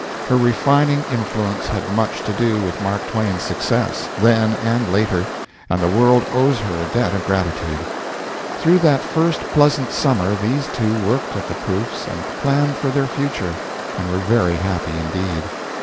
Her refining influence had much to do with Mark Twain's success, then and later, and the world owes her a debt of gratitude. Through that first pleasant summer these two worked at the proofs and planned for their future, and were very happy indeed.